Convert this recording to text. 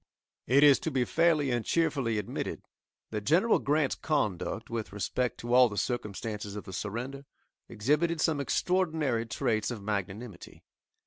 It is to be fairly and cheerfully admitted that General Grant's conduct, with respect to all the circumstances of the surrender exhibited some extraordinary traits of magnanimity.